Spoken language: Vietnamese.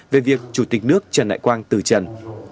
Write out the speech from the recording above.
về việc chủ tịch nước trần đại quang từ trần